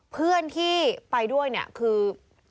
เพื่อนที่ไปด้วยคือ